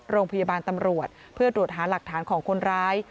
โรงพยาบาลตำรวจเพื่อตรวจหาหลักฐานของคนร้าย